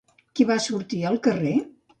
Qui va sortir al carrer?